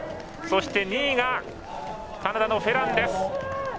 そして２位がカナダのフェランです。